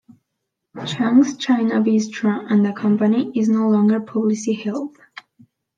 Changs China Bistro and the company is no longer publicly held.